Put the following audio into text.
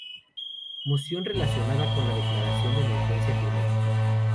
moción relacionada con la declaración de Emergencia Climática